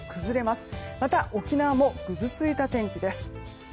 また沖縄もぐずついた天気です。